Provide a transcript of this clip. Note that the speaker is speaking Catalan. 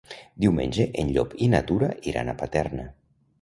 Diumenge en Llop i na Tura iran a Paterna.